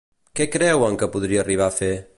Què creuen que podria arribar a fer?